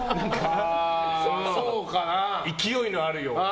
勢いのあるような。